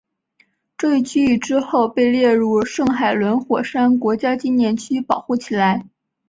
这一区域之后被列入圣海伦火山国家纪念区保护起来。